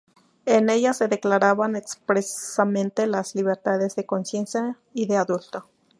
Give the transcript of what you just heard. En ella se declaraban expresamente las libertades de conciencia y de culto.